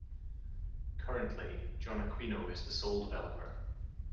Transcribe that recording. Currently, Jon Aquino is the sole developer.